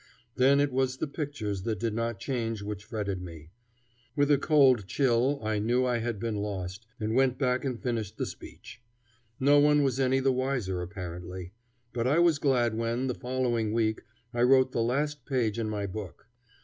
Then it was the pictures that did not change which fretted me; with a cold chill I knew I had been lost, and went back and finished the speech. No one was any the wiser, apparently. But I was glad when, the following week, I wrote the last page in my book.